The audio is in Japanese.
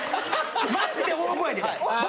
マジで大声で。